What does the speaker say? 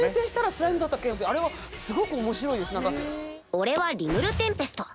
俺はリムルテンペスト。